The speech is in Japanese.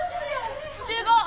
集合！